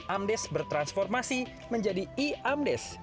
amdes bertransformasi menjadi eamdes